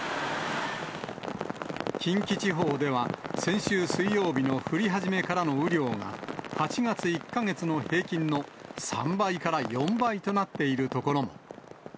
近畿地方では、先週水曜日の降り始めからの雨量が、８月１か月の平均の３倍から４倍となっている所も。